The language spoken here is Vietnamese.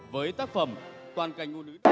với tác phẩm toàn cảnh ngu nữ